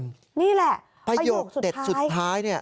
นี่แหละประโยคสุดท้าย